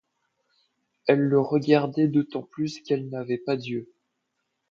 Elle le regardait d’autant plus qu’elle n’avait pas d’yeux.